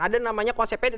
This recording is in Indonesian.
ada namanya konsepnya